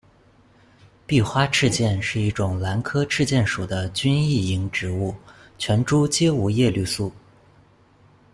闭花赤箭是一种兰科赤箭属的菌异营植物，全株皆无叶绿素。